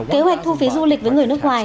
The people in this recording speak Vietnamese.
kế hoạch thu phí du lịch với người nước ngoài